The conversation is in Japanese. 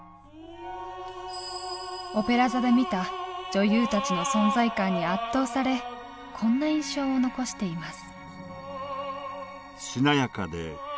オペラ座で見た女優たちの存在感に圧倒されこんな印象を残しています。